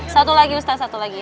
satu lagi ustadz satu lagi